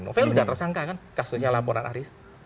novel sudah tersangka kan kasusnya laporan aris